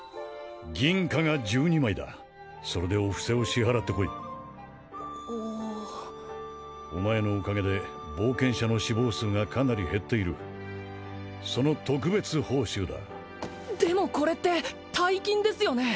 銀貨が１２枚だそれでお布施を支払ってこいお前のおかげで冒険者の死亡数がかなり減っているその特別報酬だでもこれって大金ですよね？